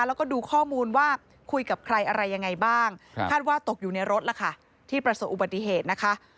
แล้วก็ดูข้อมูลว่าคุยกับใครอะไรยังไงบ้างคาดว่าตกอยู่ในรถล่ะค่ะที่ประสบอุบัติเหตุนะคะ